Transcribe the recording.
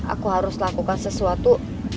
aku harus lakukan sesuatu